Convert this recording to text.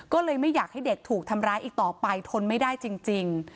ก็เลยไม่อยากให้เด็กถูกทำร้ายอีกต่อไปทนไม่ได้จริง